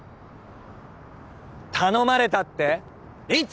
頼まれたっていつ？